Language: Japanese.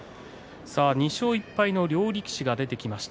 ２勝１敗の両力士が出てきました。